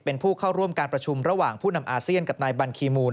เป็นผู้เข้าร่วมการประชุมระหว่างผู้นำอาเซียนกับนายบัญคีมูล